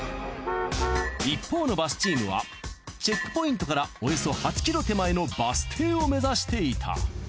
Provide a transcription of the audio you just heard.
一方のバスチームはチェックポイントからおよそ８ｋｍ手前のバス停を目指していた。